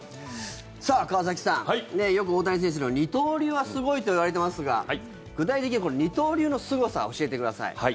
さあ、川崎さんよく大谷選手の二刀流はすごいといわれていますが具体的に、二刀流のすごさ教えてください。